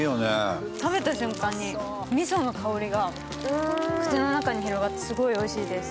食べた瞬間にみその香りが口の中に広がって、すごいおいしいです。